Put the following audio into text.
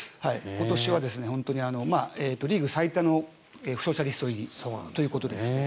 今年は本当にリーグ最多の負傷者リスト入りということです。